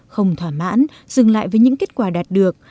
không thỏa mãn dừng lại với những kết quả đạt được